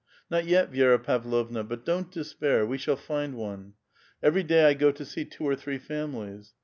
"Not yet, Vi6ra Pavlovna, but don't despair; we shall find one. Every day T go to see two or three families.